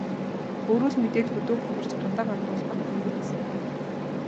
Өөрөө л мэдээд хөдөө хөхөрч, гадаа гандвал гандана л биз.